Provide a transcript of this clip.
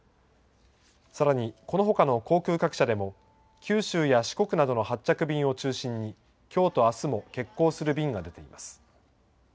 さらに、このほかの航空各社でも九州や四国などの発着便を中心にきょうとあすも欠航する便が出ています。